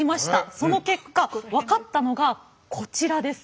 その結果分かったのがこちらです。